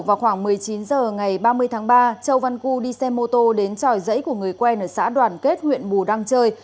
vào khoảng một mươi chín h ngày ba mươi tháng ba châu văn cư đi xe mô tô đến tròi dãy của người quen ở xã đoàn kết huyện bù đăng chơi